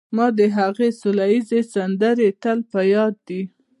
ما د هغې سوله ییزې سندرې تل په یاد دي